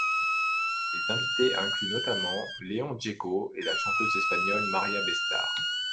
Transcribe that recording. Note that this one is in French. Les invités incluent notamment León Gieco et la chanteuse espagnole María Bestar.